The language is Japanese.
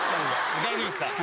大丈夫ですか。